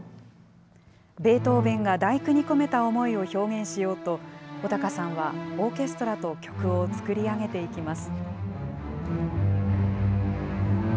ベートーベンが第九に込めた思いを表現しようと、尾高さんはオーケストラと曲を作り上げていきます。